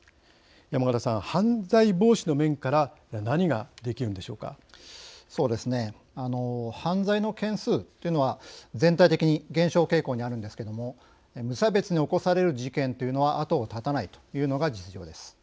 山形さん、犯罪防止の面からそうですね、犯罪の件数というのは全体的に減少傾向にあるんですけれども無差別に起こされる事件というのは後を絶たないというのが実情です。